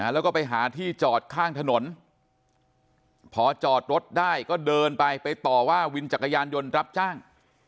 แล้วก็ไปหาที่จอดข้างถนนพอจอดรถได้ก็เดินไปไปต่อว่าวินจักรยานยนต์รับจ้าง